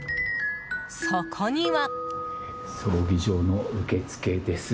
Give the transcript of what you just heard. そこには。